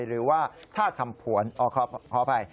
หรือว่าท่าคำผวนขออภัย